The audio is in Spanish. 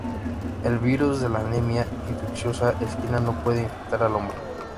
El virus de la anemia infecciosa equina no puede infectar al hombre.